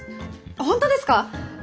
本当ですか！？